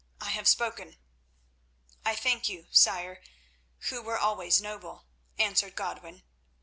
I have spoken." "I thank you, sire, who were always noble," answered Godwin.